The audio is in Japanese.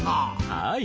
はい。